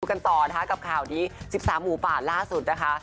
กันต่อนะคะกับข่าวนี้๑๓หมูป่าล่าสุดนะคะ